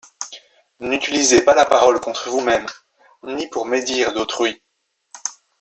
N'utilisez pas la parole contre vous-même, ni pour médire d'autrui.